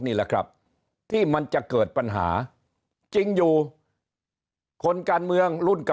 นี่แหละครับที่มันจะเกิดปัญหาจริงอยู่คนการเมืองรุ่น๙